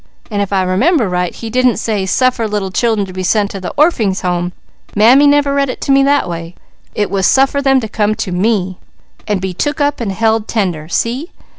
And if I remember right, He didn't say: 'Suffer little children to be sent to Orphings' Homes.' Mammy never read it to me that way. It was suffer them to come to 'Me,' and be took up, and held tender. See?